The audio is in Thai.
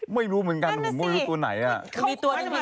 ไม่รู้เหมือนกันผมไม่รู้ตัวไหนอ่ะ